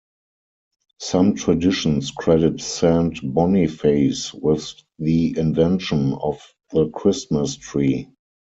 Some traditions credit Saint Boniface with the invention of the Christmas tree.